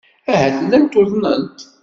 Ahat llant uḍnent.